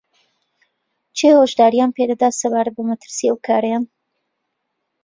کێ هۆشدارییان پێدەدات سەبارەت بە مەترسیی ئەو کارەیان